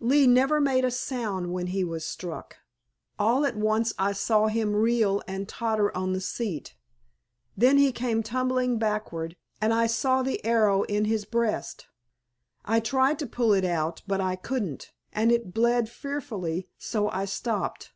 Lee never made a sound when he was struck. All at once I saw him reel and totter on the seat, then he came tumbling backward, and I saw the arrow in his breast. I tried to pull it out, but I couldn't, and it bled fearfully, so I stopped.